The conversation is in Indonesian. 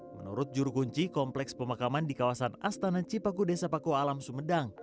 menurut jurukunci kompleks pemakaman di kawasan astana cipaku desa paku alam sumedang